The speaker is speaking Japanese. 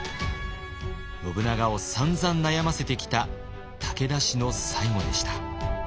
信長をさんざん悩ませてきた武田氏の最後でした。